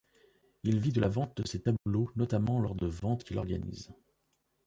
Il vit de la vente de ses tableaux, notamment lors de ventes qu’il organise.